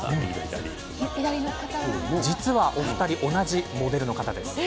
実は、同じモデルの方です。